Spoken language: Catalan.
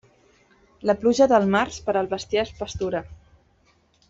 La pluja del març, per al bestiar és pastura.